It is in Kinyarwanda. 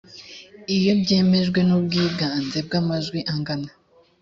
iyo byemejwe n ubwinganze bw amajwi angana